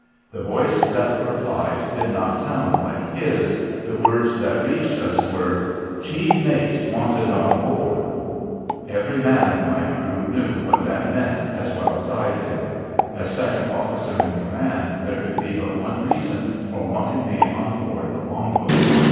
The voice that replied did not sound like his ; the words that reached us were :' Chief mate wanted on board !' Every man of my crew knew what that meant as well as I did. As second officer in command, there could be but one reason for wanting me on board the Long boat.